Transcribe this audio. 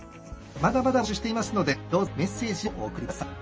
まだまだ募集しておりますのでどうぞメッセージをお送りください。